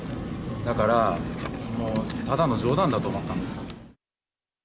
だから、もう、ただの冗談だと思ったんです。